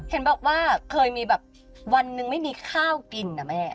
เห็นบอกว่าเคยมีแบบวันหนึ่งไม่มีข้าวกินนะแม่